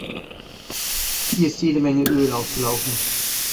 Hier ist jede Menge Öl ausgelaufen.